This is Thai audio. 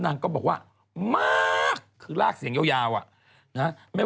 อ๋อกังสื่อเขาอีนี่